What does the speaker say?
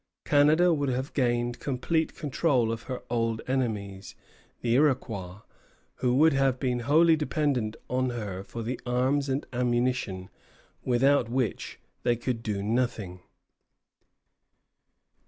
Canada would have gained complete control of her old enemies, the Iroquois, who would have been wholly dependent on her for the arms and ammunition without which they could do nothing.